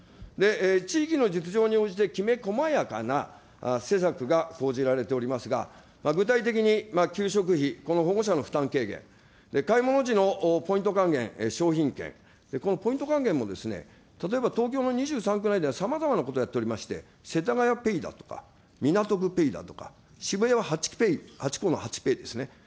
地域の実情に応じてきめ細やかな施策が講じられていましたが、具体的に給食費、この保護者の負担軽減、買い物時のポイント還元、商品券、このポイント還元も、例えば東京の２３区内では、さまざまなことをやっておりまして、せたがやぺいだとか、港区ペイだとか、渋谷はハチペイ、ハチ公のハチペイですね。